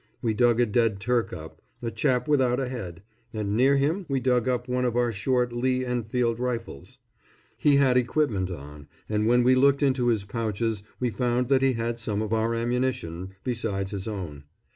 We dug a dead Turk up, a chap without a head, and near him we dug up one of our short Lee Enfield rifles. He had equipment on, and when we looked into his pouches we found that he had some of our ammunition, besides his own.